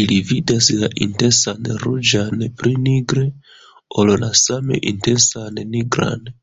Ili vidas la intensan ruĝan pli nigre ol la same intensan nigran.